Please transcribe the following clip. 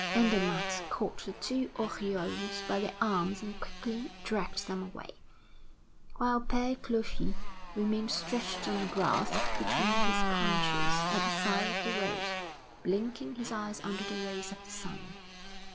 Andermatt caught the two Oriols by the arms and quickly dragged them away; while Père Clovis remained stretched on the grass between his crutches, at the side of the road, blinking his eyes under the rays of the sun.